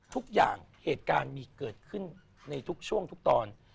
ทุกอย่างเหตุการณ์มีเกิดขึ้นในทุกช่วงทุกตอน